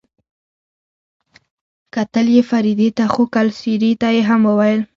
کتل يې فريدې ته خو کلسري ته يې هم وويل.